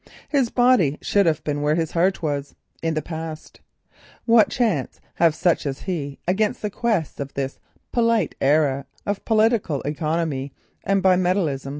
His body should have been where his heart was—in the past. What chance have such as he against the Quests of this polite era of political economy and penny papers?